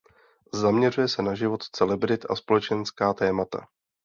Zaměřuje se na život celebrit a společenská témata.